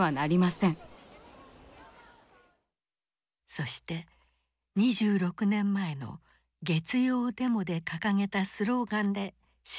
そして２６年前の月曜デモで掲げたスローガンで締めくくった。